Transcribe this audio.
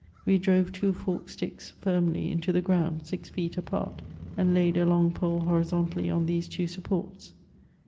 We drove two forked sticks firmly into the ground, six feet apart, and laid a long pole hori zontally on these two supports.